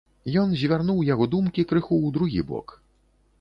Ён звярнуў яго думкі крыху ў другі бок.